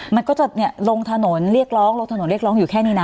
มันก็จะลงถนนเรียกร้องลงถนนเรียกร้องอยู่แค่นี้นะ